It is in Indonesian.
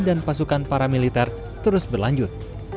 dan pasukan paramiliter terus berlanjut